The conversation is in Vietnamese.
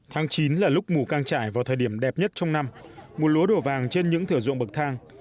tháng chín là lúc mù căng trải vào thời điểm đẹp nhất trong năm mùa lúa đổ vàng trên những thửa ruộng bậc thang